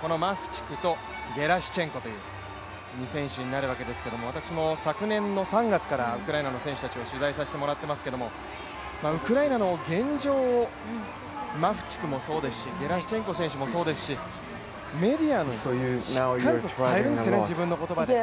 このマフチクとゲラシチェンコという２選手になるわけですけども私も昨年の３月からウクライナの選手を取材させてもらってますけど、ウクライナの現状をマフチクもそうですし、ゲラシュチェンコ選手もそうですしメディアにしっかりと伝えるんですね、自分の言葉に。